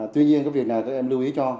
tuy nhiên cái việc nào các em lưu ý cho